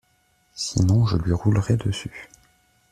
sinon je lui roulerais dessus.